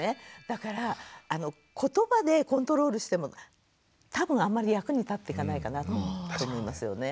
だからことばでコントロールしても多分あんまり役に立っていかないかなって思いますよね。